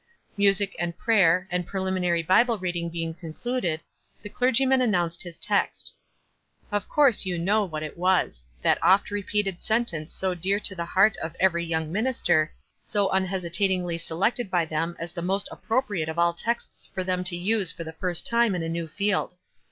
Music, and prayer ; and preliminary Bible reading being concluded, the clergyman an nounced his text. Of course you know what it was — that oft repeated sentence so dear to the heart of every young minister, so unhesi tatingly selected by them as the most appropri ate of all texts for them to use for the first time in a new field.